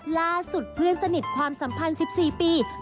ล่าสุดเพื่อนสนิทความสัมพันธ์๑๔ปี